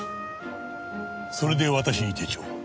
それで私に手帳を？